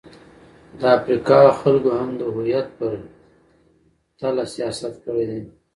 د افریقا خلکو هم د هویت پر تله د سیاست کړې.